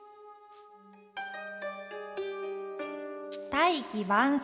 「大器晩成」。